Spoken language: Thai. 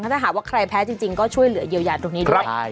ถ้าหากว่าใครแพ้จริงก็ช่วยเหลือเยียวยาตรงนี้ด้วย